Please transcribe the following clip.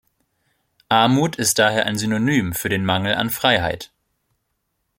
Armut ist daher ein Synonym für den Mangel an Freiheit.